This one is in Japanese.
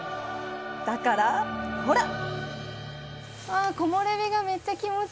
だからほらッ！